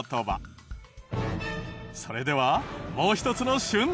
それではもう一つの旬